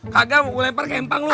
kagak mau lempar kempang lo